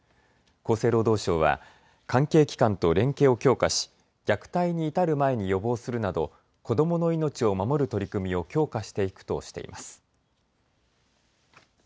厚生労働省は関係機関と連携を強化し虐待に至る前に予防するなど子どもの命を守る取り組みを強化していくとしています。